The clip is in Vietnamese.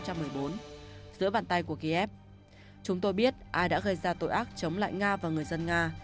giữa bàn tay của kiev chúng tôi biết ai đã gây ra tội ác chống lại nga và người dân nga